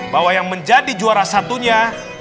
bahwa yang menjadi juara satunya